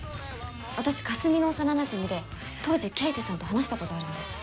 私かすみの幼なじみで当時刑事さんと話したことあるんです。